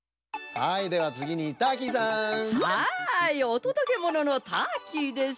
はいおとどけもののターキーです。